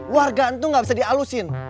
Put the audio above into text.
warga itu gak bisa dialusin